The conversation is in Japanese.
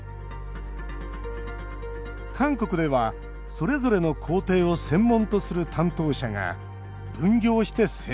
韓国では、それぞれの工程を専門とする担当者が分業して制作。